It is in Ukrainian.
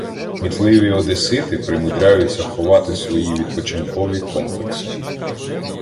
Кмітливі одесити примудряються ховати свої «відпочинкові комплекси»